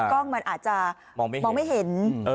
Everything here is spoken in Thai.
กล้องมันอาจจะมองไม่เห็น